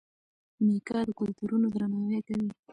میکا د کلتورونو درناوی کوي.